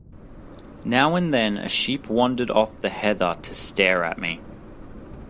Now and then a sheep wandered off the heather to stare at me.